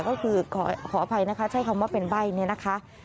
ก็คือขออภัยนะคะใช้คำว่าเป็นใบ้เนี่ยนะคะ